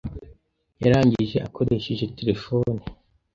Yarangije akoresheje terefone?